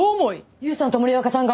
勇さんと森若さんが！？